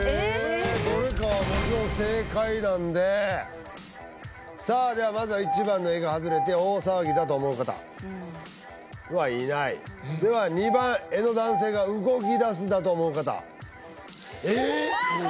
どれかはもちろん正解なんでさあではまずは１番の絵が外れて大騒ぎだと思う方いないでは２番絵の男性が動きだすだと思う方えっ！